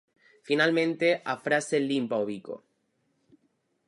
Finalmente, a frase Limpa o bico!